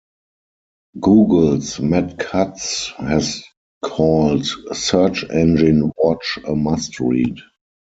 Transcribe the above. Google's Matt Cutts has called Search Engine Watch a must read.